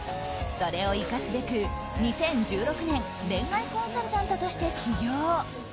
それを生かすべく、２０１６年恋愛コンサルタントとして起業。